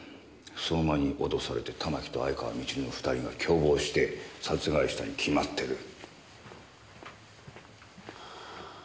相馬に脅されて玉木と愛川みちるの２人が共謀して殺害したに決まってる。